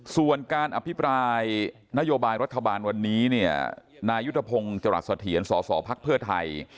ส่วนการอภิปรายนโยบายรัฐบาลวันนี้นายุทธพงศ์เจราะสะเทียนสศพไทย